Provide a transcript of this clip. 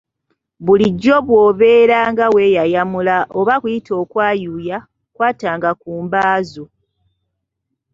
Bulijjo bw’obeera nga weeyayamula oba kuyite okwayuuya, kwatanga ku mba zo.